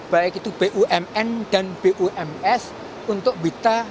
baik itu bumn dan bums untuk bidang industri pertahanan